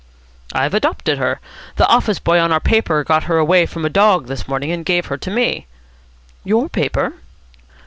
"I've adopted her. The office boy on our paper got her away from a dog this morning, and gave her to me." "Your paper?"